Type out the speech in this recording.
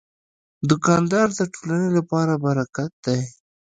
دوکاندار د ټولنې لپاره برکت دی.